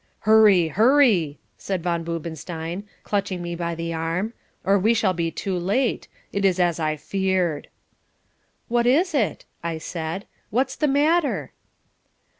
"Hurry, hurry!" said Von Boobenstein, clutching me by the arm, "or we shall be too late. It is as I feared." "What is it?" I said; "what's the matter?"